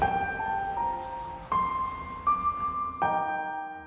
จะมีอาวุธ